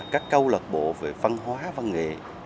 các câu lạc bộ về văn hóa văn nghệ